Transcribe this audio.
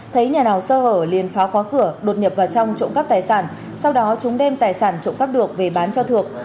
thấy nhà nào sơ hở liền phá khóa cửa đột nhập vào trong trộm cắp tài sản sau đó chúng đem tài sản trộm cắp được về bán cho thượng